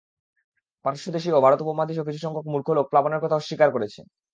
পারস্য দেশীয় ও ভারত উপমহাদেশীয় কিছু সংখ্যক মূর্খ লোক প্লাবনের কথা অস্বীকার করেছে।